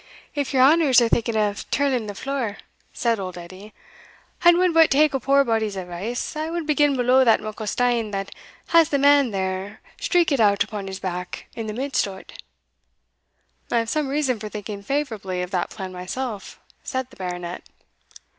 "If your honours are thinking of tirling the floor," said old Edie, "and wad but take a puir body's advice, I would begin below that muckle stane that has the man there streekit out upon his back in the midst o't." "I have some reason for thinking favourably of that plan myself," said the Baronet.